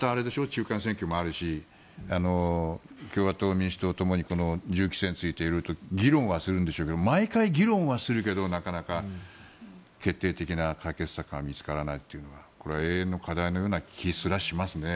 中間選挙もあるし共和党、民主党ともに銃規制について議論はするんでしょうけど毎回、議論はするけど、なかなか決定的な解決策が見つからないというのはこれは永遠の課題のような気すらしますね。